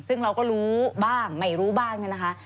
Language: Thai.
ซึ่งเราก็รู้บ้างไม่รู้บ้างเนี่ยนะคะ